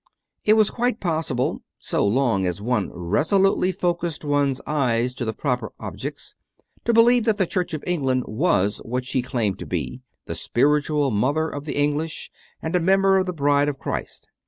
It was quite possible, so long as one resolutely focused one s eyes to the proper objects, to believe that the Church of England was what she claimed to be, the spiritual mother of the English and a member of the Bride of Christ.